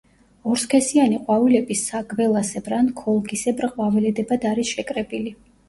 ორსქესიანი ყვავილები საგველასებრ ან ქოლგისებრ ყვავილედებად არის შეკრებილი.